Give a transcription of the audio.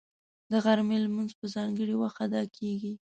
د غرمې لمونځ په ځانګړي وخت ادا کېږي